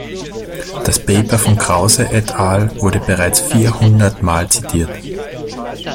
Das Paper von Krause et al. wurde bereits vierhundertmal zitiert.